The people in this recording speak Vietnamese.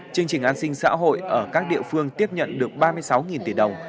chương trình an sinh xã hội ở các địa phương tiếp nhận được ba mươi sáu tỷ đồng